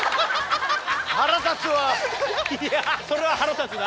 いやそれは腹立つな。